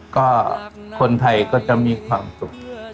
ก็คนไทยก็จะมีความสุข